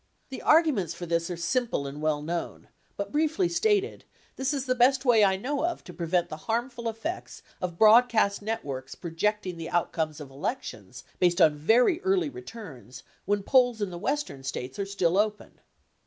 The arguments for this are simple and well known ; but briefly stated, this is the best way I know of to prevent the harmful effects of broad cast networks projecting the outcome of elections, based on very early returns, when polls in the Western States are still open.